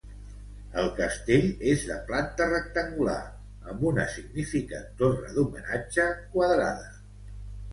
El castell és de planta rectangular amb una significant torre d’homenatge quadrada.